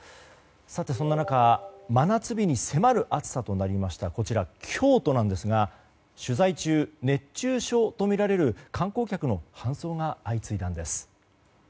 さて、そんな中真夏日に迫る暑さとなりました京都なんですが取材中、熱中症とみられる観光客の搬送が相次いだんです。